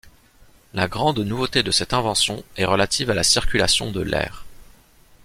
La grande nouveauté de cette invention est relative à la circulation de l'air.